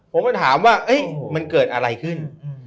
แล้วผมถามว่ามันเกิดอะไรขึ้น